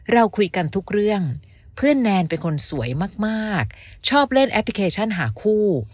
เราคุยกันทุกเรื่องเพื่อนแนนเป็นคนสวยมากชอบเล่นแอปพลิเคชันหาคู่